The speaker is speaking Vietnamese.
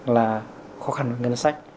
là khó khăn ngân sách